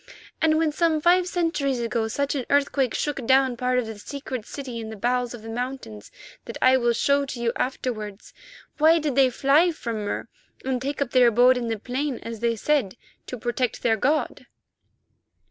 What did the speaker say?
And when some five centuries ago, such an earthquake shook down part of the secret city in the bowels of the mountains that I will show to you afterwards, why did they fly from Mur and take up their abode in the plain, as they said, to protect the god?"